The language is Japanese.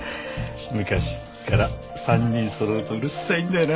昔っから３人揃うとうるさいんだよな。